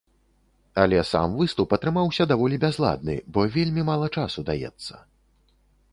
Але сам выступ атрымаўся даволі бязладны, бо вельмі мала часу даецца.